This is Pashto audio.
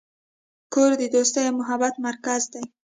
کور د دوستۍ او محبت مرکز دی.